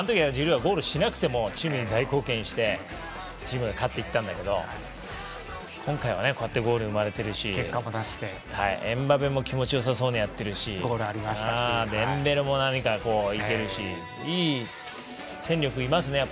あの時ジルーはゴールしなくてもチームに大貢献してチームが勝っていったんだけど今回はこうやってゴール生まれてるしエムバペも気持ちよさそうにやっているしデンベレも何かいけるしいい戦力いますね。